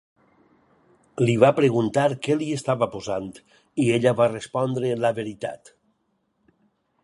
Li va preguntar què li estava posant i ella va respondre la veritat.